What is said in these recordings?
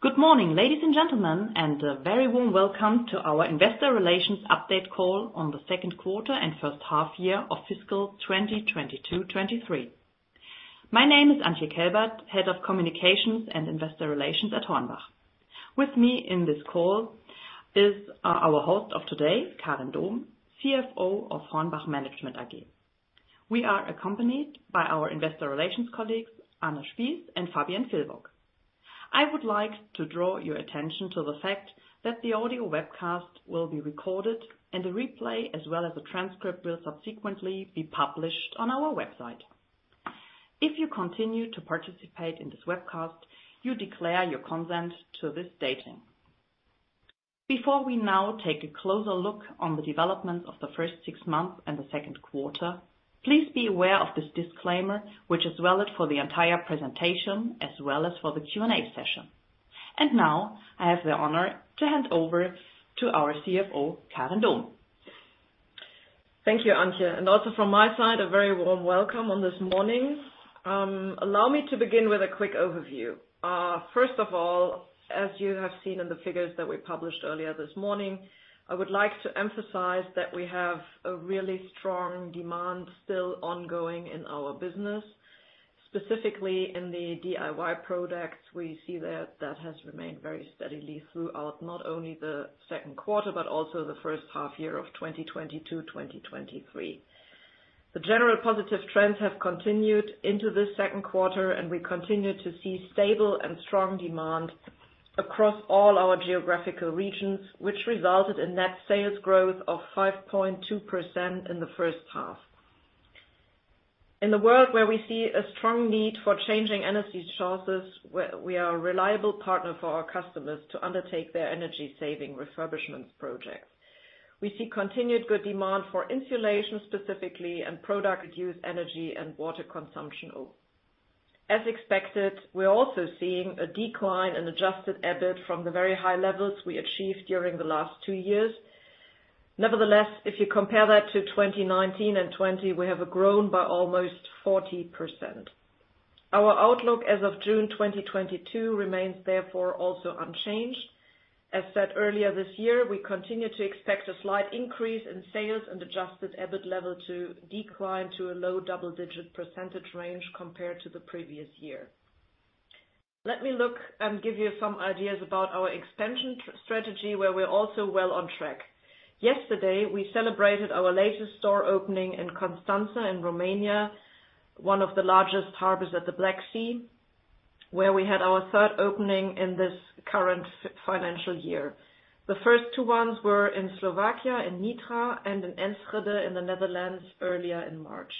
Good morning, ladies and gentlemen, and a very warm welcome to our Investor Relations Update Call on the second quarter and first half year of fiscal 2022/2023. My name is Antje Kelbert, head of communications and investor relations at HORNBACH. With me in this call is our host of today, Karin Dohm, CFO of HORNBACH Management AG. We are accompanied by our investor relations colleagues, Anne Spies and Fabienne Villwock. I would like to draw your attention to the fact that the audio webcast will be recorded, and a replay, as well as a transcript, will subsequently be published on our website. If you continue to participate in this webcast, you declare your consent to this recording. Before we now take a closer look at the developments of the first six months and the second quarter, please be aware of this disclaimer, which is valid for the entire presentation as well as for the Q&A session. Now I have the honor to hand over to our CFO, Karin Dohm. Thank you, Antje. Also from my side, a very warm welcome on this morning. Allow me to begin with a quick overview. First of all, as you have seen in the figures that we published earlier this morning, I would like to emphasize that we have a really strong demand still ongoing in our business. Specifically in the DIY products, we see that has remained very steadily throughout, not only the second quarter, but also the first half year of 2022, 2023. The general positive trends have continued into this second quarter, and we continue to see stable and strong demand across all our geographical regions, which resulted in net sales growth of 5.2% in the first half. In the world where we see a strong need for changing energy sources, we are a reliable partner for our customers to undertake their energy saving refurbishment projects. We see continued good demand for insulation specifically and products that reduce energy and water consumption. As expected, we're also seeing a decline in adjusted EBIT from the very high levels we achieved during the last two years. Nevertheless, if you compare that to 2019 and 2020, we have grown by almost 40%. Our outlook as of June 2022 remains therefore also unchanged. As said earlier this year, we continue to expect a slight increase in sales and adjusted EBIT level to decline to a low double-digit percentage range compared to the previous year. Let me look and give you some ideas about our expansion strategy, where we're also well on track. Yesterday, we celebrated our latest store opening in Constanța in Romania, one of the largest harbors at the Black Sea, where we had our third opening in this current financial year. The first two ones were in Slovakia, in Nitra, and in Enschede in the Netherlands earlier in March.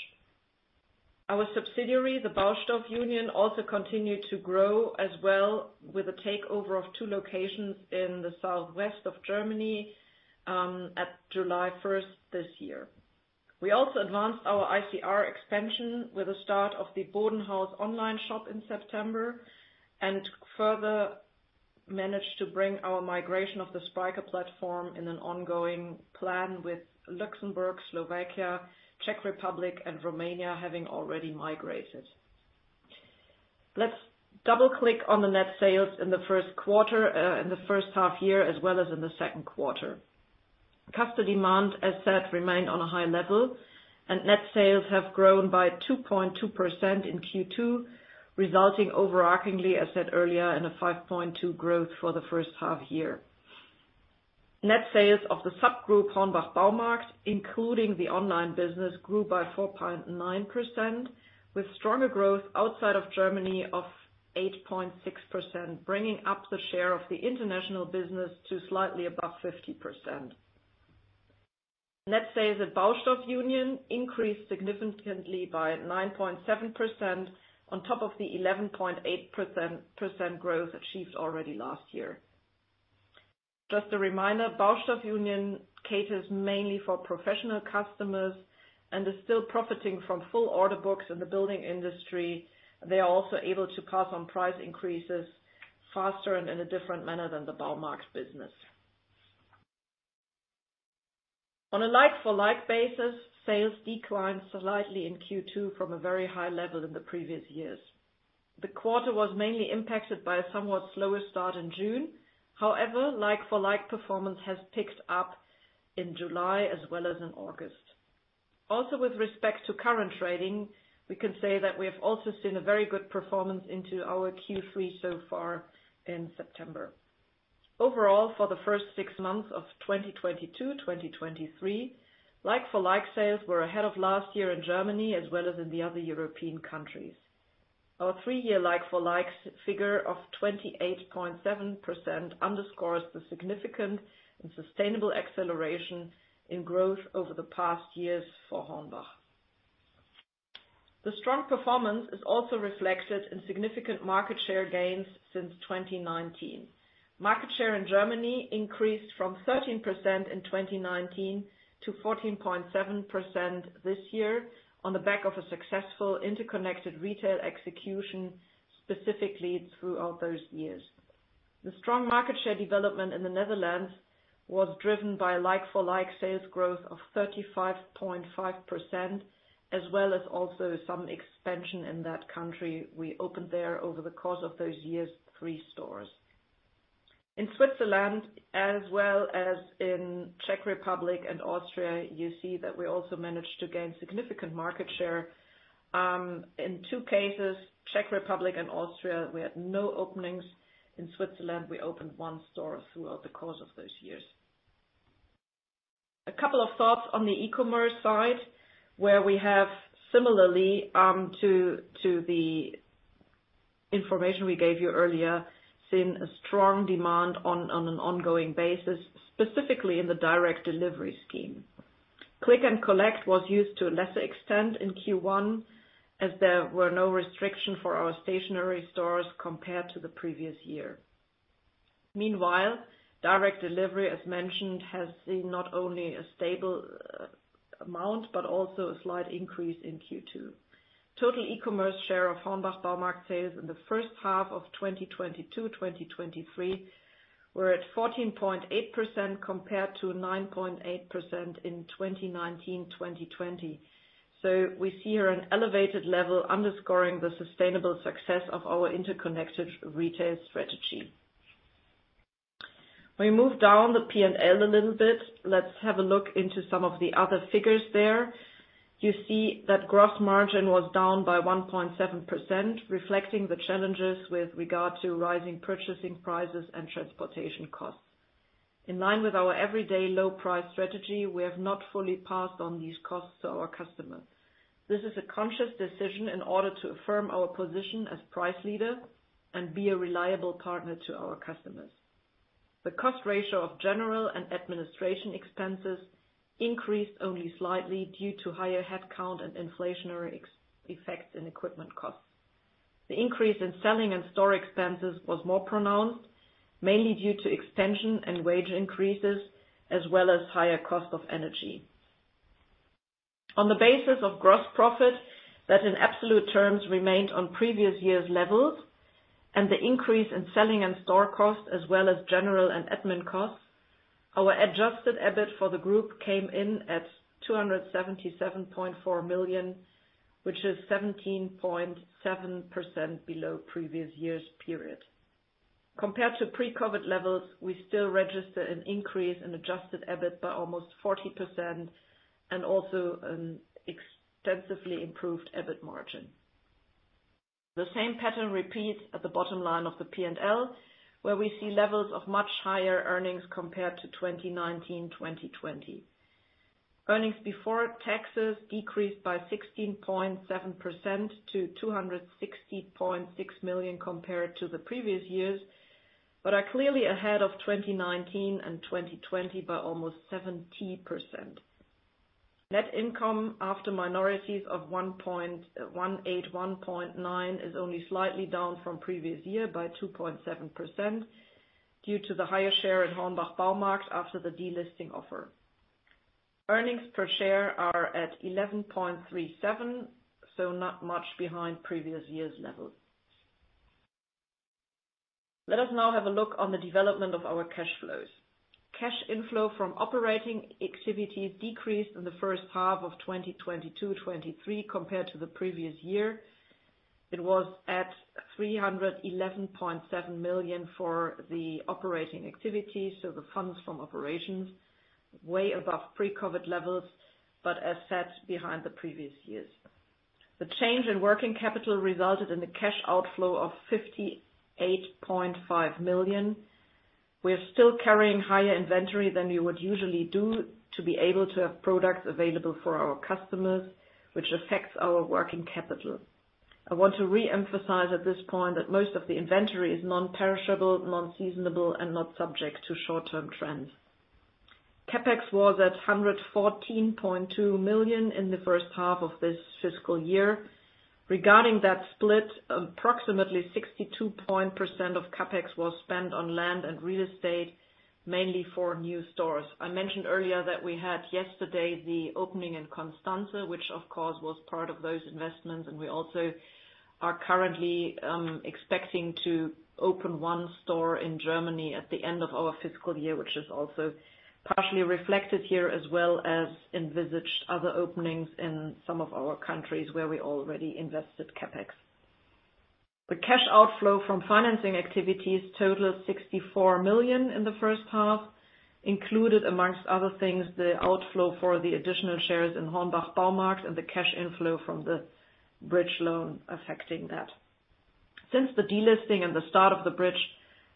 Our subsidiary, the Baustoff Union, also continued to grow as well with the takeover of two locations in the southwest of Germany at July 1st this year. We also advanced our ICR expansion with the start of the Bodenhaus online shop in September, and further managed to bring our migration of the Spryker platform in an ongoing plan with Luxembourg, Slovakia, Czech Republic, and Romania having already migrated. Let's double-click on the net sales in the first quarter in the first half year, as well as in the second quarter. Customer demand, as said, remained on a high level, and net sales have grown by 2.2% in Q2, resulting overarchingly, as said earlier, in a 5.2% growth for the first half year. Net sales of the subgroup HORNBACH Baumarkt, including the online business, grew by 4.9%, with stronger growth outside of Germany of 8.6%, bringing up the share of the international business to slightly above 50%. Net sales at Baustoff Union increased significantly by 9.7% on top of the 11.8% growth achieved already last year. Just a reminder, Baustoff Union caters mainly for professional customers and is still profiting from full order books in the building industry. They are also able to pass on price increases faster and in a different manner than the Baumarkt business. On a like-for-like basis, sales declined slightly in Q2 from a very high level in the previous years. The quarter was mainly impacted by a somewhat slower start in June. However, like-for-like performance has picked up in July as well as in August. Also with respect to current trading, we can say that we have also seen a very good performance into our Q3 so far in September. Overall, for the first six months of 2022, 2023, like-for-like sales were ahead of last year in Germany as well as in the other European countries. Our three-year like-for-like figure of 28.7% underscores the significant and sustainable acceleration in growth over the past years for HORNBACH. The strong performance is also reflected in significant market share gains since 2019. Market share in Germany increased from 13% in 2019 to 14.7% this year on the back of a successful Interconnected Retail execution, specifically throughout those years. The strong market share development in the Netherlands was driven by like-for-like sales growth of 35.5%, as well as also some expansion in that country. We opened there over the course of those years, three stores. In Switzerland as well as in Czech Republic and Austria, you see that we also managed to gain significant market share. In two cases, Czech Republic and Austria, we had no openings. In Switzerland, we opened one store throughout the course of those years. A couple of thoughts on the e-commerce side, where we have similarly to the information we gave you earlier seen a strong demand on an ongoing basis, specifically in the direct delivery scheme. Click & Collect was used to a lesser extent in Q1, as there were no restriction for our stationary stores compared to the previous year. Meanwhile, direct delivery, as mentioned, has seen not only a stable amount, but also a slight increase in Q2. Total e-commerce share of HORNBACH Baumarkt sales in the first half of 2022, 2023 were at 14.8% compared to 9.8% in 2019, 2020. We see here an elevated level underscoring the sustainable success of our Interconnected Retail strategy. We move down the P&L a little bit. Let's have a look into some of the other figures there. You see that gross margin was down by 1.7%, reflecting the challenges with regard to rising purchasing prices and transportation costs. In line with our everyday low price strategy, we have not fully passed on these costs to our customers. This is a conscious decision in order to affirm our position as price leader and be a reliable partner to our customers. The cost ratio of general and administrative expenses increased only slightly due to higher headcount and inflationary effects in equipment costs. The increase in selling and store expenses was more pronounced, mainly due to pension and wage increases, as well as higher costs of energy. On the basis of gross profit, that in absolute terms remained on previous years levels and the increase in selling and store costs as well as general and admin costs, our adjusted EBIT for the group came in at 277.4 million, which is 17.7% below previous year's period. Compared to pre-COVID levels, we still register an increase in adjusted EBIT by almost 40%, and also an extensively improved EBIT margin. The same pattern repeats at the bottom line of the P&L, where we see levels of much higher earnings compared to 2019, 2020. Earnings before taxes decreased by 16.7% to 260.6 million compared to the previous years, but are clearly ahead of 2019 and 2020 by almost 70%. Net income after minorities of 1.89 is only slightly down from previous year by 2.7% due to the higher share in HORNBACH Baumarkt after the delisting offer. Earnings per share are at 11.37, so not much behind previous year's levels. Let us now have a look on the development of our cash flows. Cash inflow from operating activity decreased in the first half of 2022-23 compared to the previous year. It was at 311.7 million for the operating activities, so the funds from operations, way above pre-COVID levels, but as said, behind the previous years. The change in working capital resulted in a cash outflow of 58.5 million. We are still carrying higher inventory than we would usually do to be able to have products available for our customers, which affects our working capital. I want to reemphasize at this point that most of the inventory is non-perishable, non-seasonable, and not subject to short-term trends. CapEx was at 114.2 million in the first half of this fiscal year. Regarding that split, approximately 62% of CapEx was spent on land and real estate, mainly for new stores. I mentioned earlier that we had yesterday the opening in Constanța, which of course was part of those investments, and we also are currently expecting to open one store in Germany at the end of our fiscal year, which is also partially reflected here, as well as envisaged other openings in some of our countries where we already invested CapEx. The cash outflow from financing activities totaled 64 million in the first half. Included among other things, the outflow for the additional shares in HORNBACH Baumarkt and the cash inflow from the bridge loan affecting that. Since the delisting and the start of the bridge,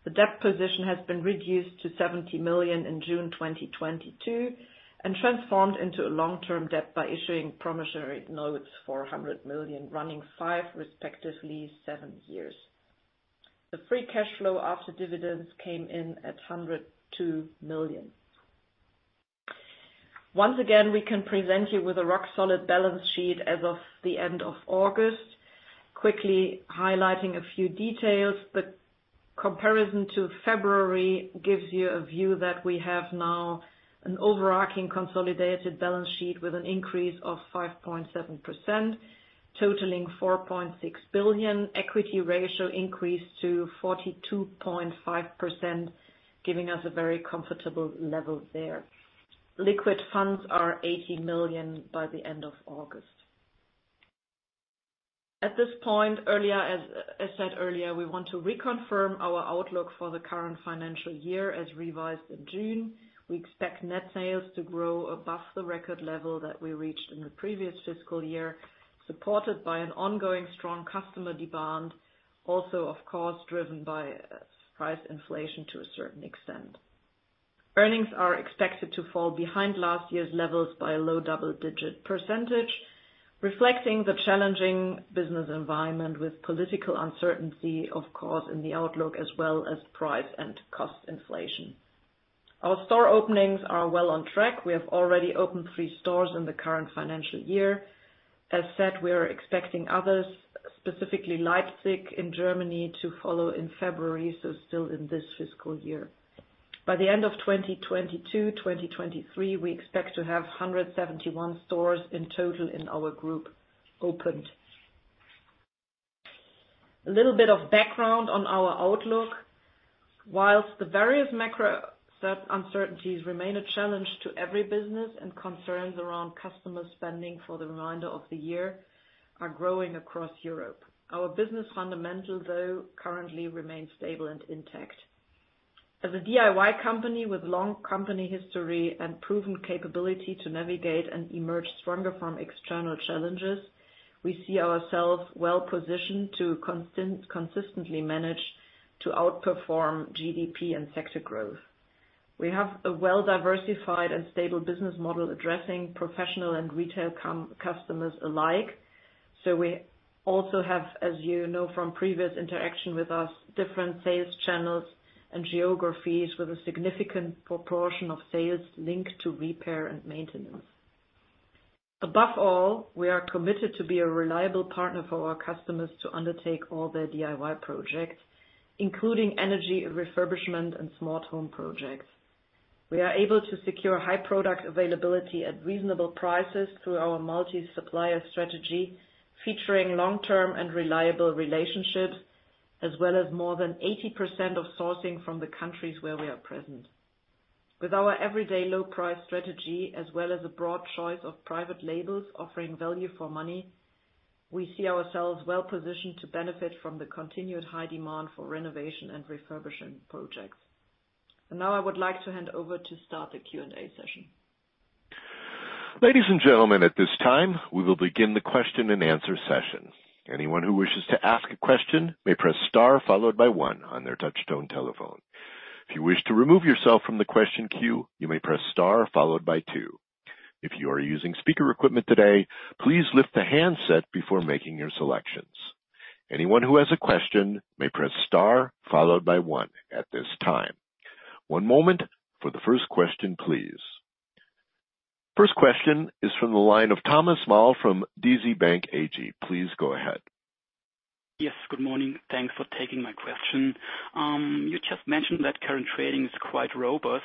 the debt position has been reduced to 70 million in June 2022, and transformed into a long-term debt by issuing promissory notes for 100 million, running five, respectively seven years. The free cash flow after dividends came in at 102 million. Once again, we can present you with a rock-solid balance sheet as of the end of August. Quickly highlighting a few details, comparison to February gives you a view that we have now an overarching consolidated balance sheet with an increase of 5.7%, totaling 4.6 billion. Equity ratio increased to 42.5%, giving us a very comfortable level there. Liquid funds are 80 million by the end of August. As said earlier, we want to reconfirm our outlook for the current financial year as revised in June. We expect net sales to grow above the record level that we reached in the previous fiscal year, supported by an ongoing strong customer demand, also, of course, driven by price inflation to a certain extent. Earnings are expected to fall behind last year's levels by a low double-digit percentage, reflecting the challenging business environment with political uncertainty, of course, in the outlook as well as price and cost inflation. Our store openings are well on track. We have already opened three stores in the current financial year. As said, we are expecting others, specifically Leipzig in Germany, to follow in February, so still in this fiscal year. By the end of 2022, 2023, we expect to have 171 stores in total in our group opened. A little bit of background on our outlook. While the various macroeconomic uncertainties remain a challenge to every business and concerns around customer spending for the remainder of the year are growing across Europe, our business fundamentals, though currently remain stable and intact. As a DIY company with long company history and proven capability to navigate and emerge stronger from external challenges, we see ourselves well positioned to consistently manage to outperform GDP and sector growth. We have a well-diversified and stable business model addressing professional and retail customers alike. We also have, as you know, from previous interaction with us, different sales channels and geographies with a significant proportion of sales linked to repair and maintenance. Above all, we are committed to be a reliable partner for our customers to undertake all their DIY projects, including energy refurbishment and smart home projects. We are able to secure high product availability at reasonable prices through our multi-supplier strategy, featuring long-term and reliable relationships, as well as more than 80% of sourcing from the countries where we are present. With our everyday low price strategy as well as a broad choice of private labels offering value for money, we see ourselves well positioned to benefit from the continued high demand for renovation and refurbishing projects. Now I would like to hand over to start the Q&A session. Ladies and gentlemen, at this time, we will begin the question and answer session. Anyone who wishes to ask a question may press star followed by one on their touchtone telephone. If you wish to remove yourself from the question queue, you may press star followed by two. If you are using speaker equipment today, please lift the handset before making your selections. Anyone who has a question may press star followed by one at this time. One moment for the first question, please. First question is from the line of Thomas Maul from DZ BANK AG. Please go ahead. Yes, good morning. Thanks for taking my question. You just mentioned that current trading is quite robust.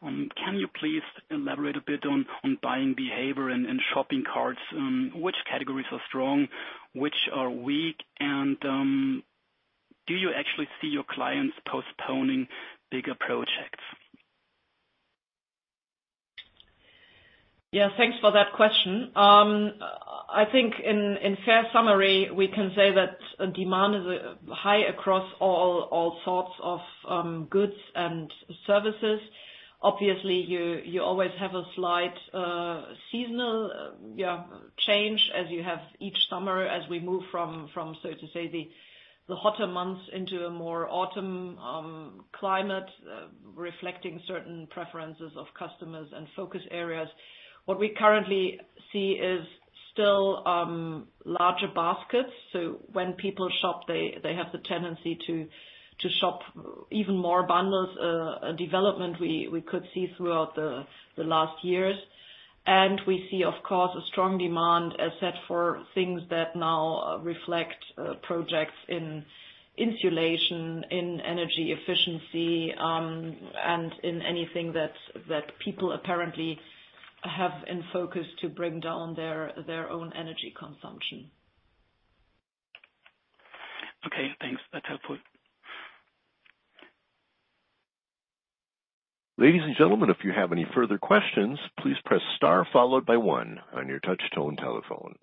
Can you please elaborate a bit on buying behavior and shopping carts? Which categories are strong, which are weak? Do you actually see your clients postponing bigger projects? Yeah, thanks for that question. I think in fair summary, we can say that demand is high across all sorts of goods and services. Obviously, you always have a slight seasonal change as you have each summer as we move from so to say, the hotter months into a more autumn climate, reflecting certain preferences of customers and focus areas. What we currently see is still larger baskets. So when people shop, they have the tendency to shop even more bundles, a development we could see throughout the last years. We see, of course, a strong demand as yet for things that now reflect projects in insulation, in energy efficiency, and in anything that people apparently have in focus to bring down their own energy consumption. Okay, thanks. That's helpful. Ladies and gentlemen, if you have any further questions, please press star followed by one on your touchtone telephone.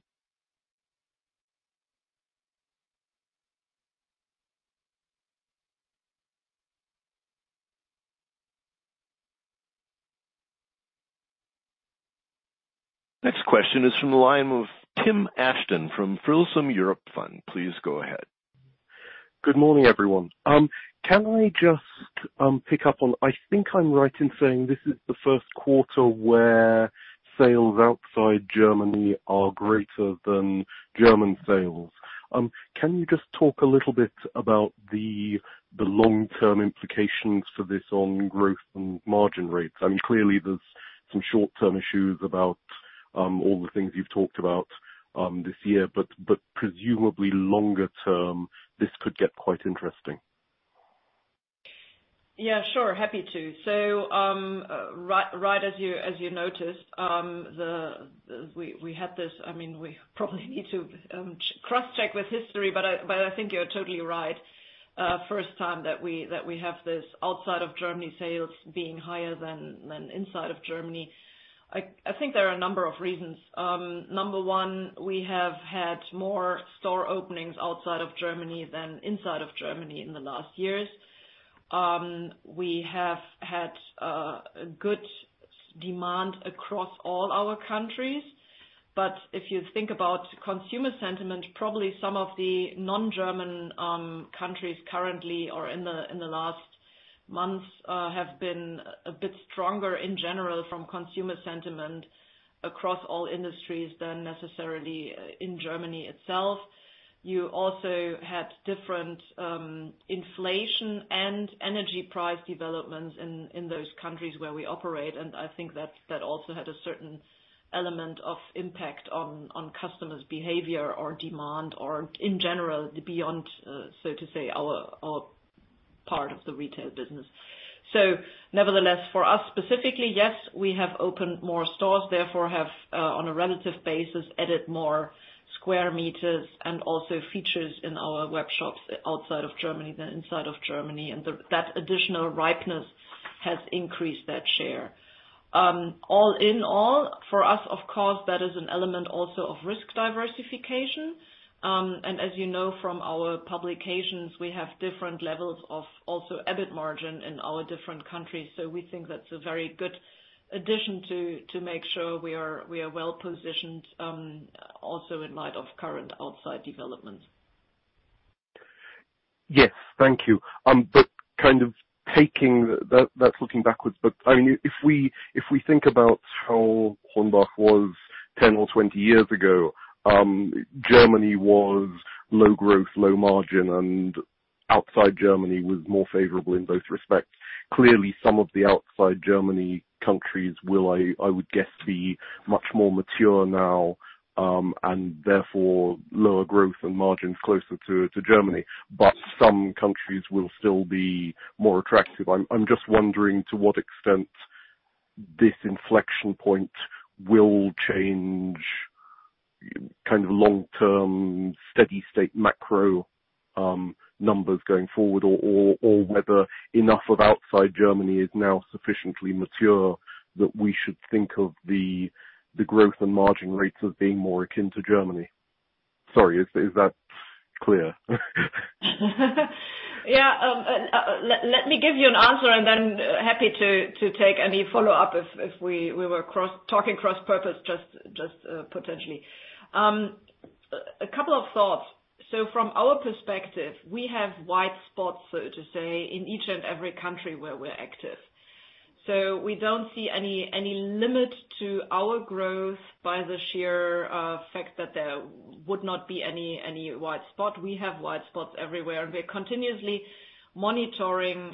Next question is from the line of Tim Ashton from Frilsham Europe Fund. Please go ahead. Good morning, everyone. Can I just pick up on I think I'm right in saying this is the first quarter where sales outside Germany are greater than German sales. Can you just talk a little bit about the long-term implications for this on growth and margin rates? I mean, clearly there's some short-term issues about all the things you've talked about this year, but presumably longer term, this could get quite interesting. Yeah, sure. Happy to. Right as you noticed, we had this. I mean, we probably need to cross check with history, but I think you're totally right. First time that we have this outside of Germany sales being higher than inside of Germany. I think there are a number of reasons. Number one, we have had more store openings outside of Germany than inside of Germany in the last years. We have had good demand across all our countries. If you think about consumer sentiment, probably some of the non-German countries currently or in the last months have been a bit stronger in general from consumer sentiment across all industries than necessarily in Germany itself. You also had different inflation and energy price developments in those countries where we operate. I think that also had a certain element of impact on customers' behavior or demand or in general, beyond so to say, our part of the retail business. Nevertheless, for us specifically, yes, we have opened more stores, therefore have on a relative basis, added more square meters and also features in our web shops outside of Germany than inside of Germany. That additional presence has increased that share. All in all, for us, of course, that is an element also of risk diversification. As you know, from our publications, we have different levels of also EBIT margin in our different countries. We think that's a very good addition to make sure we are well-positioned, also in light of current outside developments. Yes. Thank you. Kind of taking that's looking backwards, but I mean, if we think about how HORNBACH was 10 or 20 years ago, Germany was low growth, low margin, and outside Germany was more favorable in both respects. Clearly, some of the outside Germany countries will, I would guess, be much more mature now, and therefore lower growth and margins closer to Germany. But some countries will still be more attractive. I'm just wondering to what extent this inflection point will change kind of long-term, steady state macro numbers going forward, or whether enough of outside Germany is now sufficiently mature that we should think of the growth and margin rates as being more akin to Germany. Sorry, is that clear? Let me give you an answer, and then happy to take any follow-up if we were talking cross purposes, just potentially. A couple of thoughts. From our perspective, we have white spots, so to say, in each and every country where we're active. We don't see any limit to our growth by the sheer fact that there would not be any white spot. We have white spots everywhere, and we are continuously monitoring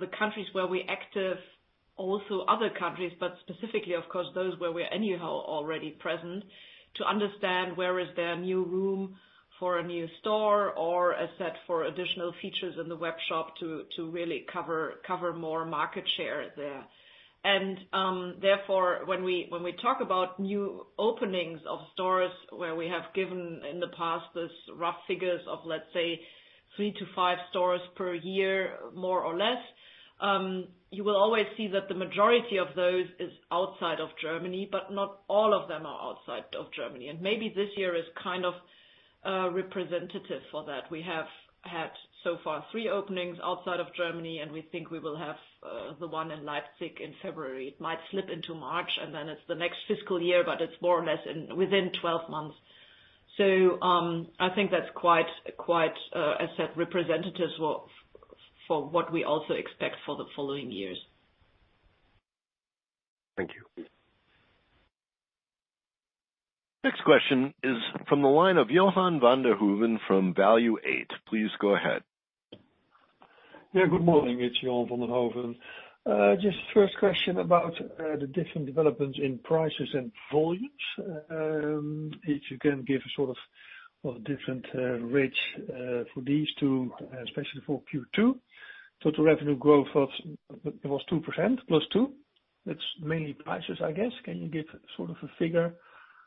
the countries where we are active, also other countries, but specifically, of course, those where we are anyhow already present, to understand where is there new room for a new store or a set for additional features in the web shop to really cover more market share there. Therefore, when we talk about new openings of stores where we have given in the past these rough figures of, let's say, three to five stores per year, more or less, you will always see that the majority of those is outside of Germany, but not all of them are outside of Germany. Maybe this year is kind of representative for that. We have had so far three openings outside of Germany, and we think we will have the one in Leipzig in February. It might slip into March, and then it's the next fiscal year, but it's more or less within 12 months. I think that's quite, as I said, representative for what we also expect for the following years. Thank you. Next question is from the line of Johan van den Hoeven from Value8. Please go ahead. Yeah, good morning. It's Johan van den Hoeven. Just first question about the different developments in prices and volumes. If you can give different rates for these two, especially for Q2. Total revenue growth of +2%. That's mainly prices, I guess. Can you give a figure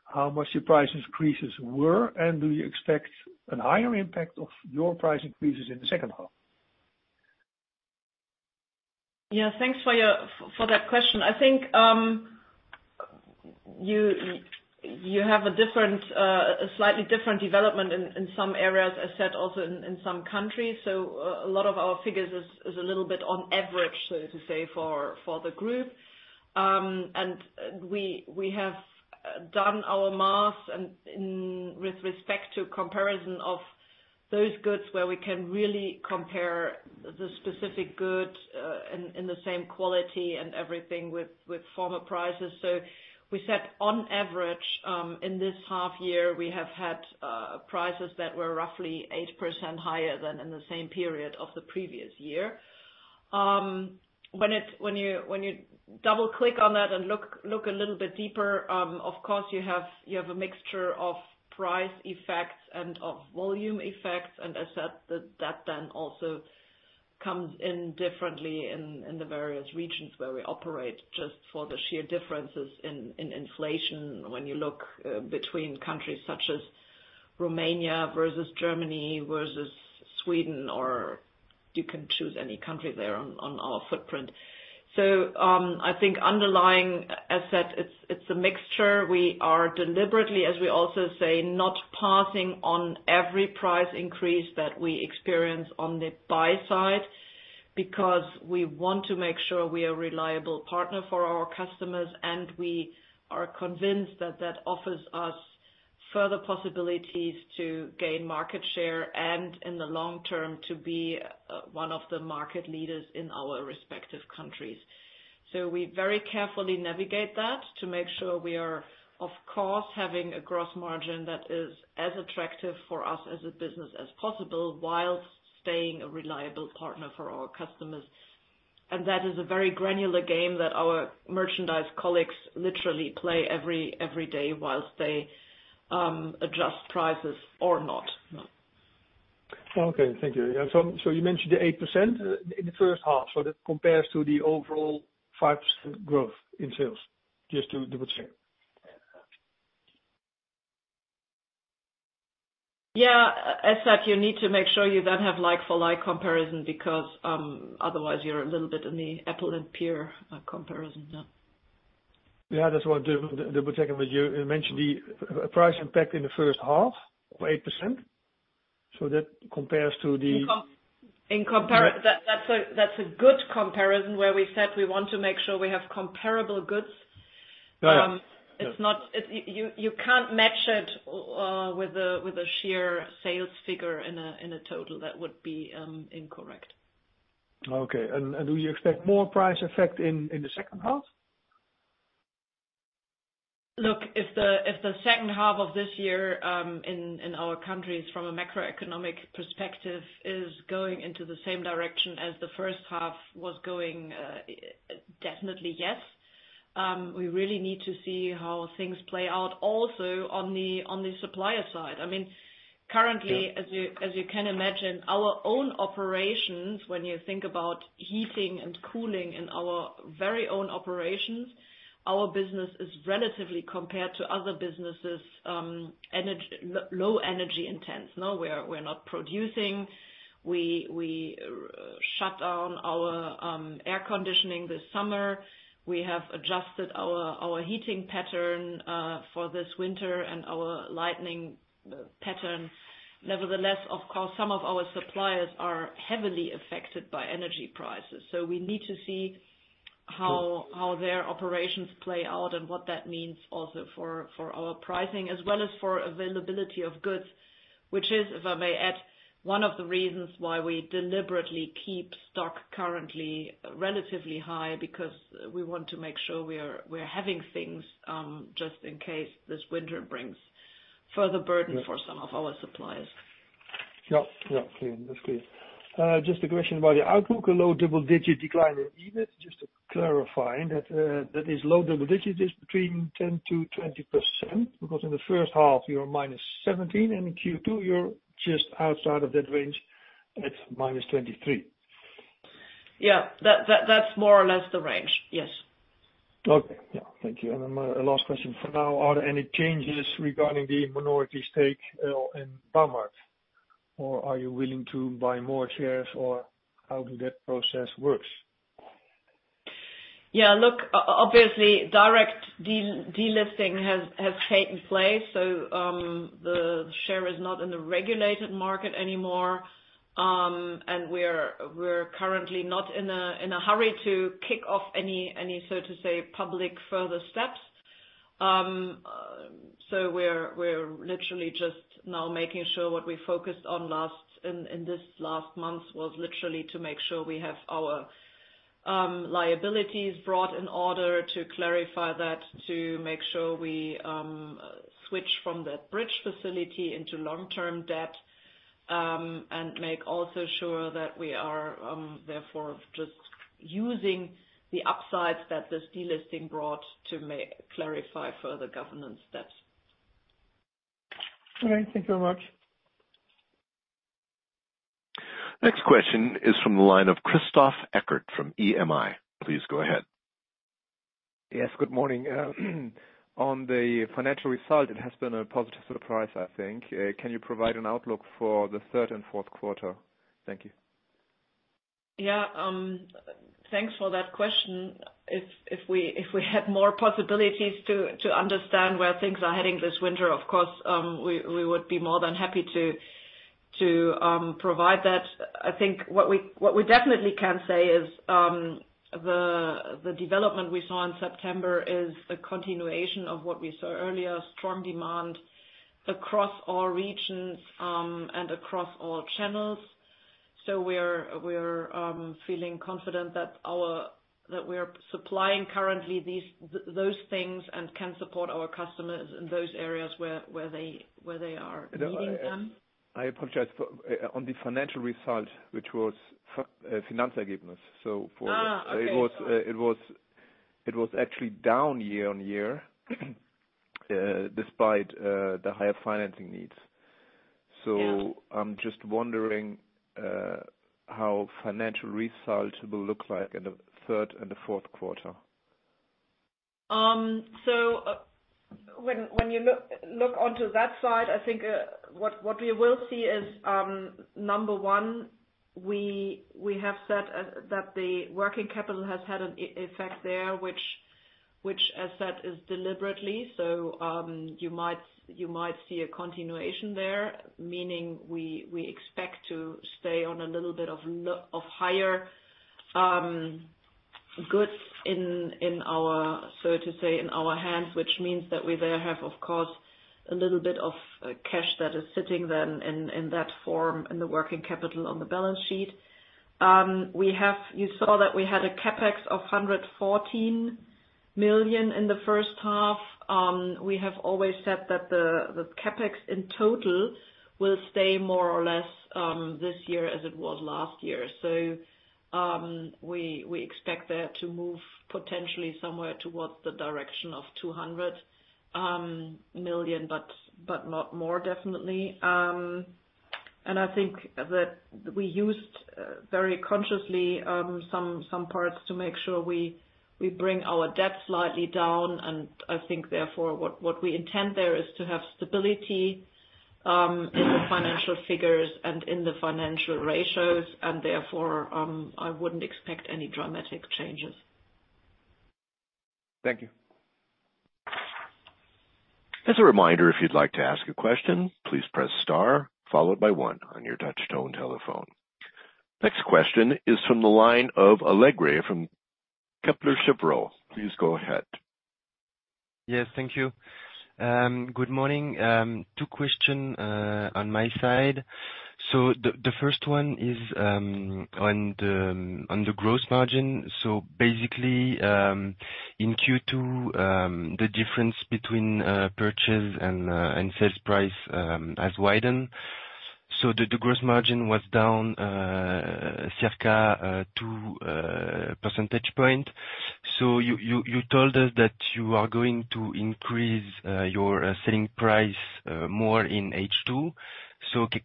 how much your price increases were, and do you expect a higher impact of your price increases in the second half? Yeah, thanks for your question. I think you have a slightly different development in some areas, as said, also in some countries. A lot of our figures is a little bit on average, so to say, for the group. We have done our math and with respect to comparison of those goods where we can really compare the specific goods in the same quality and everything with former prices. We said, on average, in this half year, we have had prices that were roughly 8% higher than in the same period of the previous year. When you double-click on that and look a little bit deeper, of course you have a mixture of price effects and of volume effects. As said, that then also comes in differently in the various regions where we operate, just for the sheer differences in inflation when you look between countries such as Romania vs Germany vs Sweden, or you can choose any country there on our footprint. I think underlying, as said, it's a mixture. We are deliberately, as we also say, not passing on every price increase that we experience on the buy side, because we want to make sure we are a reliable partner for our customers, and we are convinced that that offers us further possibilities to gain market share, and in the long term, to be, one of the market leaders in our respective countries. We very carefully navigate that to make sure we are, of course, having a gross margin that is as attractive for us as a business as possible whilst staying a reliable partner for our customers. That is a very granular game that our merchandise colleagues literally play every day whilst they, adjust prices or not. Okay, thank you. Yeah. You mentioned the 8% in the first half, so that compares to the overall 5% growth in sales, just to double check. Yeah. As said, you need to make sure you then have like-for-like comparison because otherwise you're a little bit in the apples and pears comparison. Yeah, that's what I'm double checking with you. You mentioned the price impact in the first half of 8%, so that compares to the- That's a good comparison where we said we want to make sure we have comparable goods. Right. It's not. You can't match it with a sheer sales figure in a total. That would be incorrect. Okay. Do you expect more price effect in the second half? Look, if the second half of this year, in our countries from a macroeconomic perspective is going into the same direction as the first half was going, definitely yes. We really need to see how things play out also on the supplier side. I mean, currently. Yeah. As you can imagine, our own operations, when you think about heating and cooling in our very own operations, our business is relatively low-energy intensive compared to other businesses. No, we're not producing. We shut down our air conditioning this summer. We have adjusted our heating pattern for this winter and our lighting pattern. Nevertheless, of course, some of our suppliers are heavily affected by energy prices. We need to see how Sure. how their operations play out and what that means also for our pricing, as well as for availability of goods, which is, if I may add, one of the reasons why we deliberately keep stock currently relatively high, because we want to make sure we are having things just in case this winter brings further burden for some of our suppliers. Yeah. Yeah. Clear. That's clear. Just a question about the outlook, a low double-digit decline in EBIT. Just to clarify that is low double-digit is between 10%-20%, because in the first half you're -17%, and in Q2 you're just outside of that range at -23%. Yeah. That's more or less the range. Yes. Okay. Yeah. Thank you. My last question for now. Are there any changes regarding the minority stake in Baumarkt? Or are you willing to buy more shares, or how do that process works? Yeah, look, obviously, direct delisting has taken place, so the share is not in the regulated market anymore. We're currently not in a hurry to kick off any, so to say, public further steps. We're literally just now making sure what we focused on last in this last month was literally to make sure we have our liabilities brought in order to clarify that, to make sure we switch from that bridge facility into long-term debt, and make also sure that we are therefore just using the upsides that this delisting brought to clarify further governance steps. All right. Thank you very much. Next question is from the line of Christoph Eckert from EMI. Please go ahead. Yes, good morning. On the financial result, it has been a positive surprise, I think. Can you provide an outlook for the third and fourth quarter? Thank you. Yeah. Thanks for that question. If we had more possibilities to understand where things are heading this winter, of course, we would be more than happy to provide that. I think what we definitely can say is, the development we saw in September is a continuation of what we saw earlier, strong demand across all regions, and across all channels. We're feeling confident that we are supplying currently these, those things and can support our customers in those areas where they are needing them. I apologize. On the financial result, which was Finanzergebnis. Okay. It was actually down year on year, despite the higher financing needs. Yeah. I'm just wondering, how financial results will look like in the third and the fourth quarter? When you look onto that side, I think what we will see is number one, we have said that the working capital has had an effect there, which as said is deliberately. You might see a continuation there, meaning we expect to stay on a little bit of higher goods in our, so to say, in our hands. Which means that we there have, of course, a little bit of cash that is sitting then in that form in the working capital on the balance sheet. You saw that we had a CapEx of 114 million in the first half. We have always said that the CapEx in total will stay more or less this year as it was last year. We expect that to move potentially somewhere towards the direction of 200 million, but not more definitely. I think that we used very consciously some parts to make sure we bring our debt slightly down. I think therefore what we intend there is to have stability in the financial figures and in the financial ratios, and therefore I wouldn't expect any dramatic changes. Thank you. As a reminder, if you'd like to ask a question, please press star followed by one on your touchtone telephone. Next question is from the line of Allegre from Kepler Cheuvreux. Please go ahead. Yes, thank you. Good morning. Two questions on my side. The first one is on the gross margin. Basically, in Q2, the difference between purchase and sales price has widened. The gross margin was down circa 2 percentage points. You told us that you are going to increase your selling price more in H2.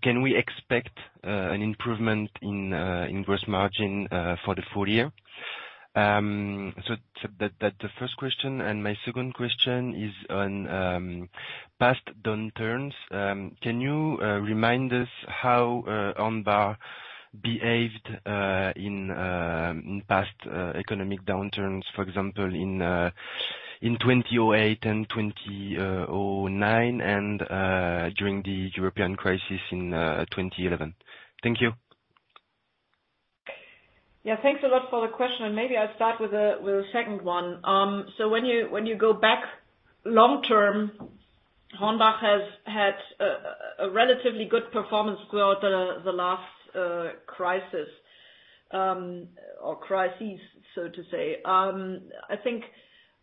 Can we expect an improvement in gross margin for the full year? That's the first question. My second question is on past downturns. Can you remind us how HORNBACH behaved in past economic downturns, for example, in 2008 and 2009, and during the European crisis in 2011? Thank you. Yeah, thanks a lot for the question, and maybe I'll start with the second one. So when you go back long-term, HORNBACH has had a relatively good performance throughout the last crisis or crises, so to say. I think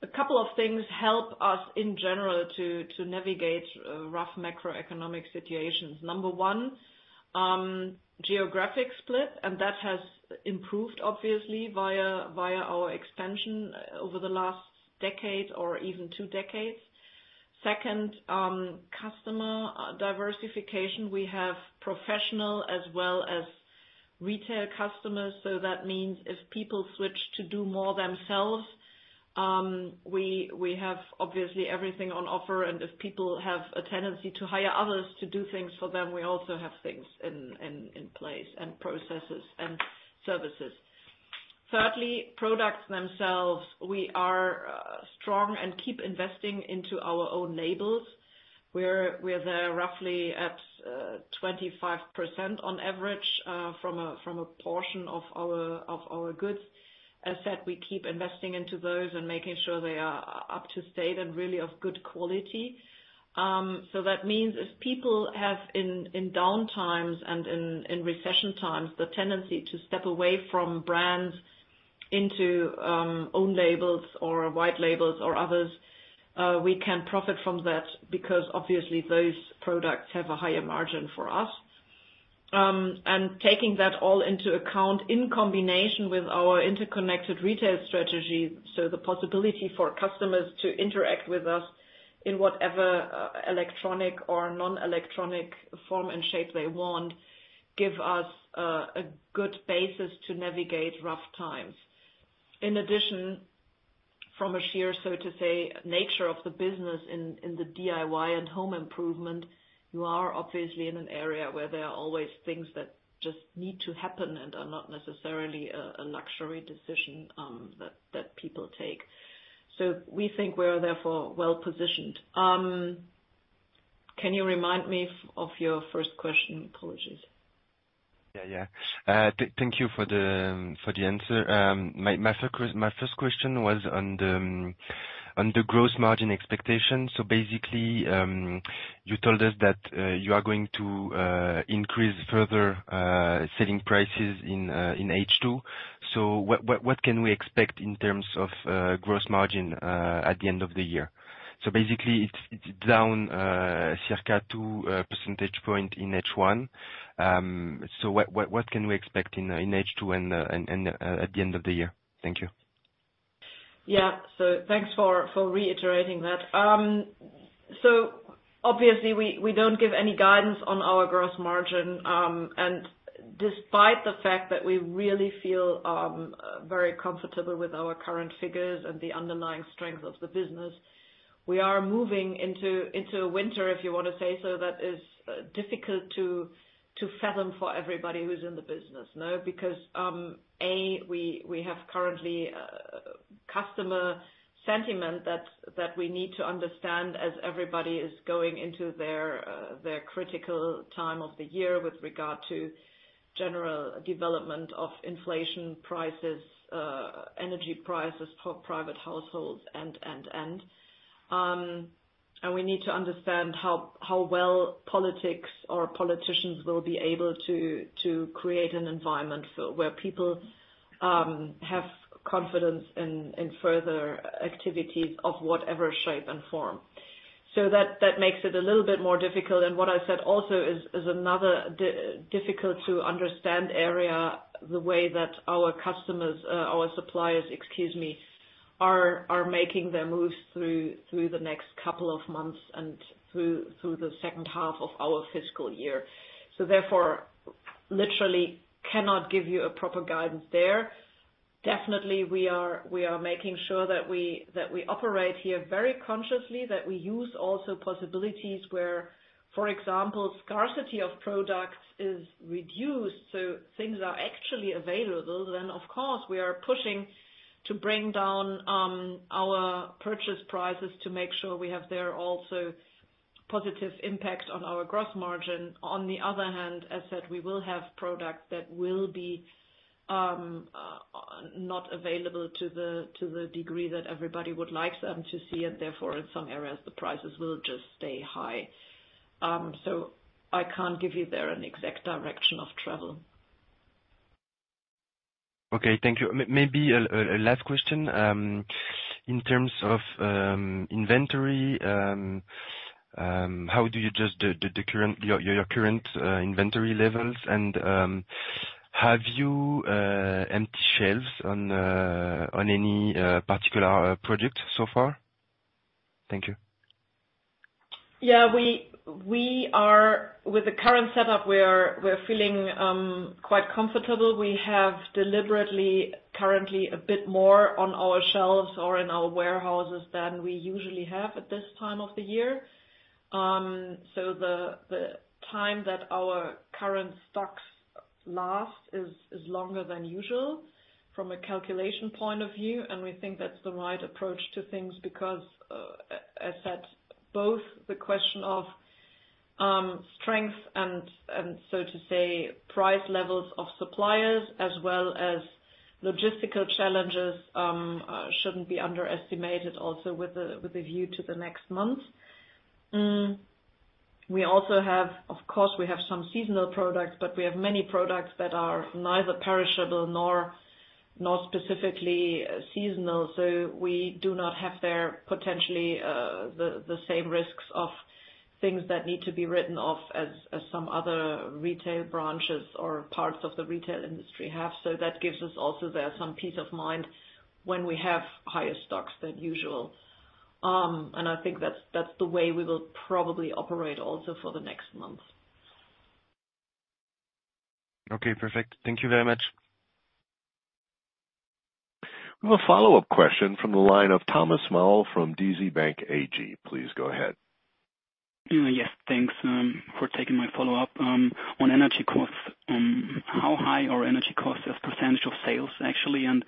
a couple of things help us in general to navigate rough macroeconomic situations. Number one, geographic split, and that has improved obviously via our expansion over the last decade or even two decades. Second, customer diversification. We have professional as well as retail customers, so that means if people switch to do more themselves, we have obviously everything on offer. If people have a tendency to hire others to do things for them, we also have things in place and processes and services. Thirdly, products themselves. We are strong and keep investing into our own labels. We're there roughly at 25% on average from a portion of our goods. As said, we keep investing into those and making sure they are up to date and really of good quality. That means if people have in down times and in recession times, the tendency to step away from brands into own labels or white labels or others, we can profit from that because obviously those products have a higher margin for us. Taking that all into account in combination with our Interconnected Retail strategy, the possibility for customers to interact with us in whatever electronic or non-electronic form and shape they want give us a good basis to navigate rough times. In addition, from a sheer, so to say, nature of the business in the DIY and home improvement, you are obviously in an area where there are always things that just need to happen and are not necessarily a luxury decision that people take. We think we are therefore well positioned. Can you remind me of your first question? Apologies. Yeah. Thank you for the answer. My first question was on the gross margin expectation. Basically, you told us that you are going to increase further selling prices in H2. What can we expect in terms of gross margin at the end of the year? Basically it's down circa 2 percentage point in H1. What can we expect in H2 and at the end of the year? Thank you. Yeah. Thanks for reiterating that. Obviously we don't give any guidance on our gross margin. Despite the fact that we really feel very comfortable with our current figures and the underlying strength of the business, we are moving into winter, if you want to say so, that is difficult to fathom for everybody who's in the business, no? Because A, we have currently customer sentiment that we need to understand as everybody is going into their critical time of the year with regard to general development of inflation prices, energy prices for private households, and. We need to understand how well politics or politicians will be able to create an environment for where people have confidence in further activities of whatever shape and form. That makes it a little bit more difficult. What I said also is another difficult to understand area, the way that our customers, our suppliers, excuse me, are making their moves through the next couple of months and through the second half of our fiscal year. Therefore, literally cannot give you a proper guidance there. Definitely we are making sure that we operate here very consciously, that we use also possibilities where, for example, scarcity of products is reduced, so things are actually available. Of course, we are pushing to bring down our purchase prices to make sure we have there also positive impact on our gross margin. On the other hand, as said, we will have products that will be not available to the degree that everybody would like them to see, and therefore in some areas, the prices will just stay high. I can't give you there an exact direction of travel. Okay. Thank you. Maybe a last question. In terms of inventory, how do you adjust your current inventory levels? Have you empty shelves on any particular product so far? Thank you. Yeah. With the current setup, we are feeling quite comfortable. We have deliberately currently a bit more on our shelves or in our warehouses than we usually have at this time of the year. The time that our current stocks last is longer than usual from a calculation point of view, and we think that's the right approach to things because, as said, both the question of strength and so to say price levels of suppliers as well as logistical challenges shouldn't be underestimated also with the view to the next month. We also have, of course, some seasonal products, but we have many products that are neither perishable nor specifically seasonal. We do not have there potentially the same risks of things that need to be written off as some other retail branches or parts of the retail industry have. That gives us also there some peace of mind when we have higher stocks than usual. I think that's the way we will probably operate also for the next month. Okay, perfect. Thank you very much. We have a follow-up question from the line of Thomas Maul from DZ BANK AG. Please go ahead. Yes, thanks, for taking my follow-up. On energy costs, how high are energy costs as percentage of sales actually, and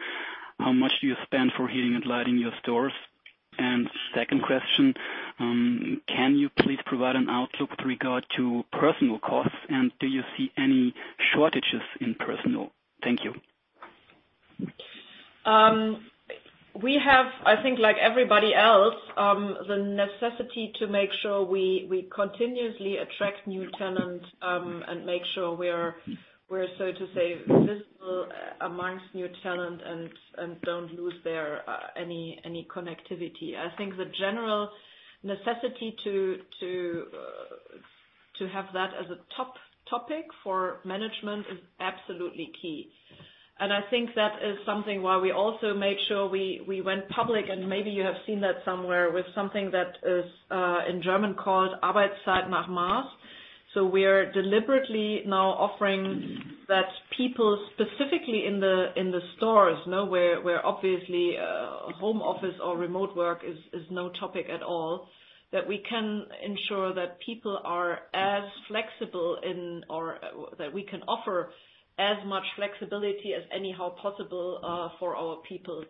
how much do you spend for heating and lighting your stores? Second question, can you please provide an outlook with regard to personnel costs, and do you see any shortages in personnel? Thank you. We have, I think like everybody else, the necessity to make sure we continuously attract new talent, and make sure we're so to say visible amongst new talent and don't lose any connectivity. I think the general necessity to have that as a top topic for management is absolutely key. I think that is something why we also made sure we went public, and maybe you have seen that somewhere with something that is in German called Arbeitszeit nach Maß. We're deliberately now offering that people specifically in the stores, where obviously home office or remote work is no topic at all, that we can ensure that people are as flexible in or that we can offer as much flexibility as anyhow possible for our people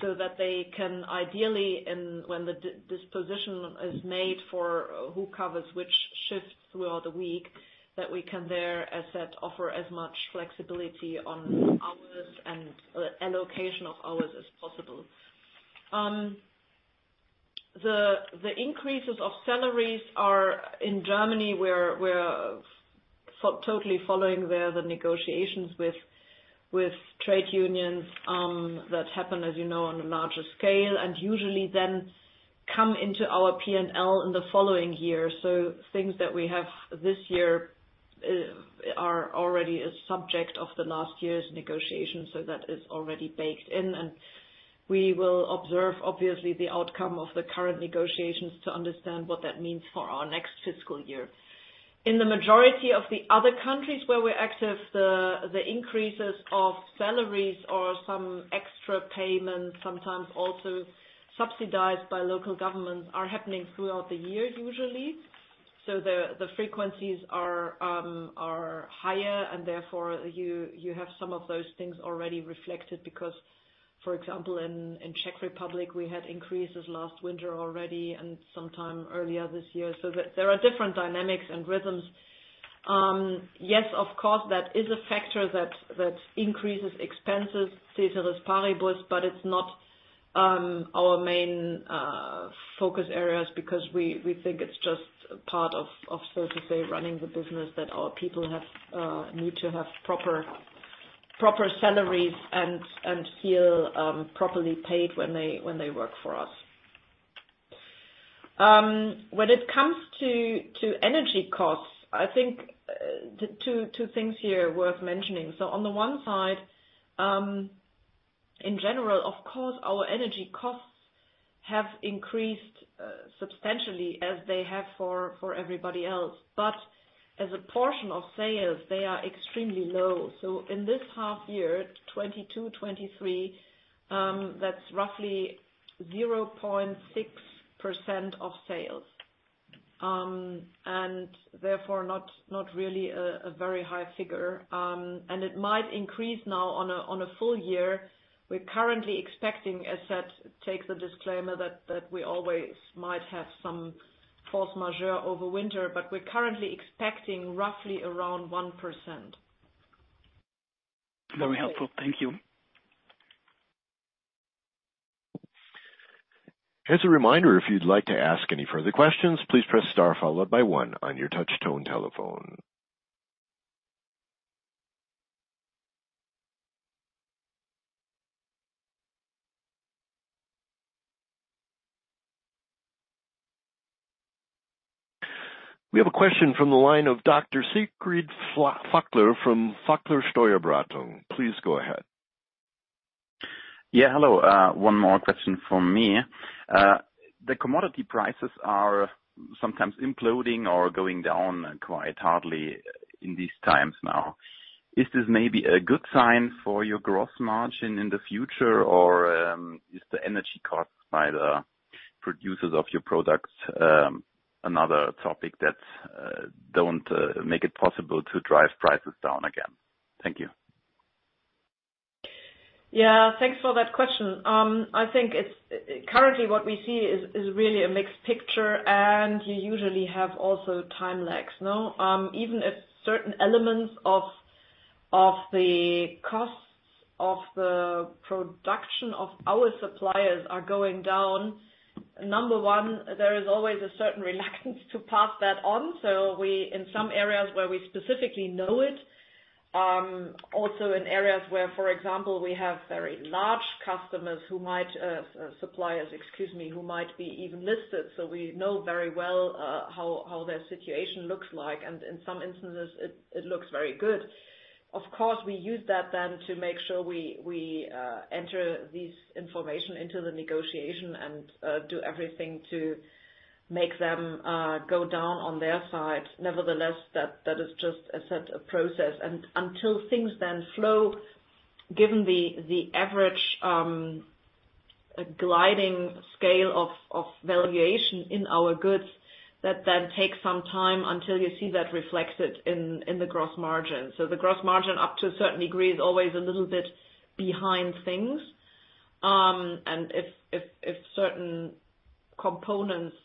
so that they can ideally and when the disposition is made for who covers which shift throughout the week, that we can there, as said, offer as much flexibility on hours and allocation of hours as possible. The increases of salaries are in Germany where we're totally following the negotiations with trade unions, that happen, as you know, on a larger scale, and usually then come into our P&L in the following year. Things that we have this year are already a subject of the last year's negotiations, so that is already baked in. We will observe, obviously, the outcome of the current negotiations to understand what that means for our next fiscal year. In the majority of the other countries where we're active, the increases of salaries or some extra payments, sometimes also subsidized by local governments, are happening throughout the year, usually. The frequencies are higher, and therefore you have some of those things already reflected. Because, for example, in Czech Republic, we had increases last winter already and sometime earlier this year. There are different dynamics and rhythms. Yes, of course, that is a factor that increases expenses, ceteris paribus, but it's not our main focus areas because we think it's just part of so to say, running the business that our people have need to have proper salaries and feel properly paid when they work for us. When it comes to energy costs, I think the two things here worth mentioning. On the one side, in general, of course, our energy costs have increased substantially as they have for everybody else. As a portion of sales, they are extremely low. In this half year, 2022-2023, that's roughly 0.6% of sales. Therefore not really a very high figure. It might increase now on a full year. We're currently expecting, as said, take the disclaimer that we always might have some force majeure over winter, but we're currently expecting roughly around 1%. Very helpful. Thank you. As a reminder, if you'd like to ask any further questions, please press star followed by one on your touch tone telephone. We have a question from the line of Dr. Siegfried Fackler from Fackler Steuerberatung. Please go ahead. Yeah. Hello. One more question from me. The commodity prices are sometimes imploding or going down quite hardly in these times now. Is this maybe a good sign for your gross margin in the future? Or, is the energy cost by the producers of your products, another topic that don't make it possible to drive prices down again? Thank you. Yeah. Thanks for that question. I think it's currently what we see is really a mixed picture, and you usually have also time lags, no? Even if certain elements of the costs of the production of our suppliers are going down, number one, there is always a certain reluctance to pass that on. We, in some areas where we specifically know it, also in areas where, for example, we have very large customers who might suppliers, excuse me, who might be even listed. We know very well how their situation looks like, and in some instances, it looks very good. Of course, we use that then to make sure we enter this information into the negotiation and do everything to make them go down on their side. Nevertheless, that is just a set of processes. Until things then flow, given the average sliding scale of valuation in our goods, that then takes some time until you see that reflected in the gross margin. The gross margin, up to a certain degree, is always a little bit behind things. If certain components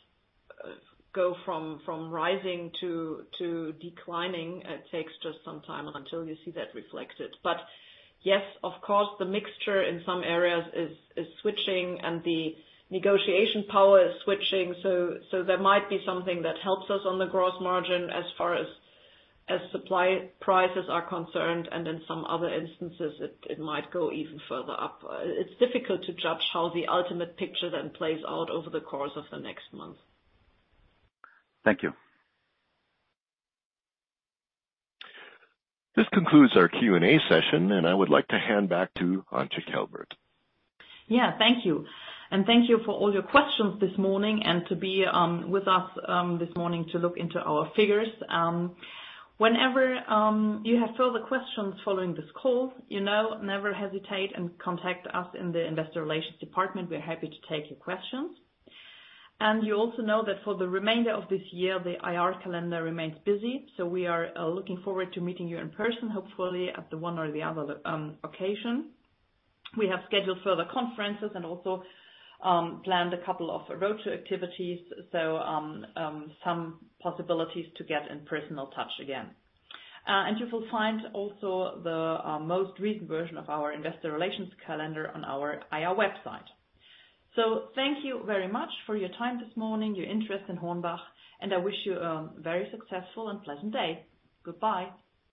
go from rising to declining, it takes just some time until you see that reflected. Yes, of course, the mixture in some areas is switching and the negotiation power is switching. There might be something that helps us on the gross margin as far as supply prices are concerned, and in some other instances, it might go even further up. It's difficult to judge how the ultimate picture then plays out over the course of the next month. Thank you. This concludes our Q&A session, and I would like to hand back to Antje Kelbert. Yeah. Thank you. Thank you for all your questions this morning and to be with us this morning to look into our figures. Whenever you have further questions following this call, you know, never hesitate and contact us in the investor relations department. We're happy to take your questions. You also know that for the remainder of this year, the IR calendar remains busy. We are looking forward to meeting you in person, hopefully, at the one or the other occasion. We have scheduled further conferences and also planned a couple of roadshow activities. Some possibilities to get in personal touch again. You will find also the most recent version of our investor relations calendar on our IR website. Thank you very much for your time this morning, your interest in HORNBACH, and I wish you a very successful and pleasant day. Goodbye.